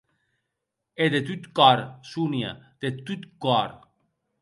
E de tot còr, Sonia, de tot còr.